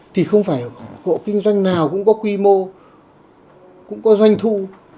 thì không phải hộ kinh doanh nào cũng có quy mô cũng có doanh thu